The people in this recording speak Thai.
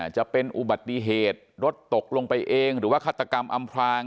จะเป็นอุบัติเหตุรถตกลงไปเองหรือว่าฆาตกรรมอำพลาง